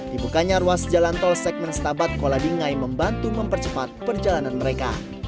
dibukanya ruas jalan tol segmen stabat kuala bingai membantu mempercepat perjalanan mereka